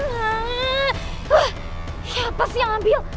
wah siapa sih yang ambil